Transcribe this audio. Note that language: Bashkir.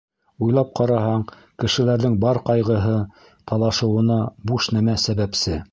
Уйлап ҡараһаң, кешеләрҙең бар ҡайғыһы, талашыуына буш нәмә сәбәпсе.